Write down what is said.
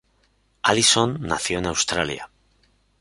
Allison nació en Australia.